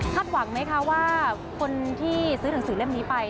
หวังไหมคะว่าคนที่ซื้อหนังสือเล่มนี้ไป